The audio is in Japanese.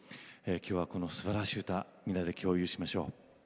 きょうはこのすばらしい歌みんなで共有しましょう。